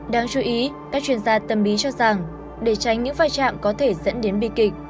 đáng chú ý các chuyên gia tâm lý cho rằng để tránh những vai trạm có thể dẫn đến bi kịch